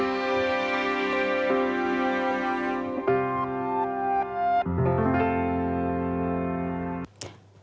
ภาพที่ปรากฏต่อทุกสายตาคงไม่ต้องบรรยายความรู้สึกอะไรอีกแล้วนะคะ